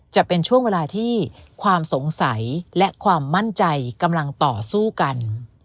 จะเป็นช่วงเวลาที่ความสงสัยและความมั่นใจกำลังต่อสู้กัน